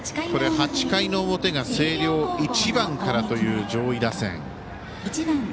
８回の表が星稜１番からという上位打線。